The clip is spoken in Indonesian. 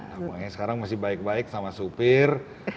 ya makanya sekarang masih baik baik sama supir